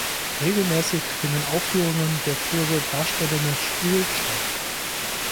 Regelmäßig finden Aufführungen der Kurse "Darstellendes Spiel" statt.